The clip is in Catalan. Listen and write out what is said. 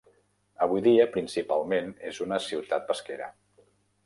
Avui dia, principalment és una ciutat pesquera.